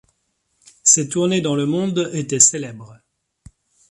Ses tournées dans le monde étaient célèbres.